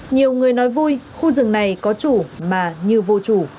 nhiều người nói vui khu rừng này có chủ mà như vô chủ